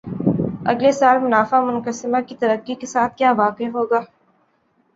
اگلے سال منافع منقسمہ کی ترقی کے ساتھ کِیا واقع ہو گا